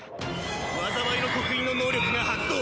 災いの刻印の能力が発動！